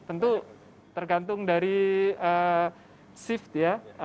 tentu tergantung dari shift ya